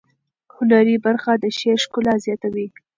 هنري برخه د شعر ښکلا زیاتوي.